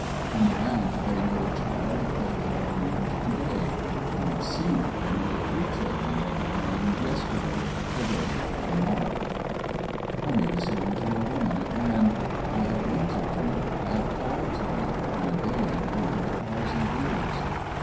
On the land they know a child they have named Today. On the sea they know three children they have named : Yesterday, Today, To morrow. I made a song to a woman: — it ran: I have wanted you. I have called to you on a day I counted a thousand years.